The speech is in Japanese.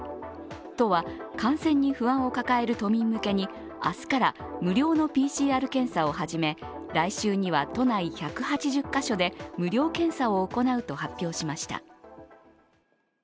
都は感染に不安を抱える都民向けに明日から無料のＰＣＲ検査を始め、来週には都内１８０カ所で無料検査を行うと発表しました。